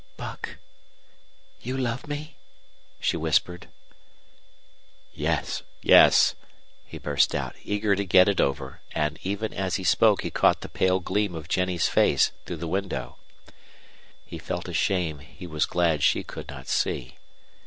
"Buck, you love me?" she whispered. "Yes yes," he burst out, eager to get it over, and even as he spoke he caught the pale gleam of Jennie's face through the window. He felt a shame he was glad she could not see.